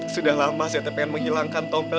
sudah lama saya tak pengen menghilangkan tompel